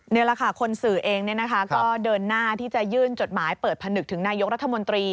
นี่แหละค่ะคนสื่อเองก็เดินหน้าที่จะยื่นจดหมายเปิดผนึกถึงนายกรัฐมนตรี